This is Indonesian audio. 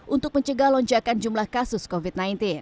untuk mencegah lonjakan jumlah kasus covid sembilan belas